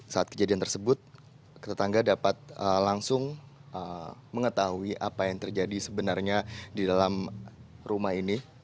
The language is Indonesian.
saat kejadian tersebut tetangga dapat langsung mengetahui apa yang terjadi sebenarnya di dalam rumah ini